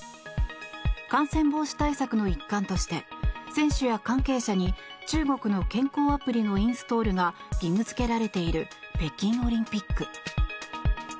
感染防止対策の一環として選手や関係者に中国の健康アプリのインストールが義務付けられている北京オリンピック。